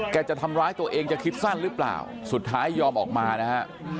จะทำร้ายตัวเองจะคิดสั้นหรือเปล่าสุดท้ายยอมออกมานะฮะ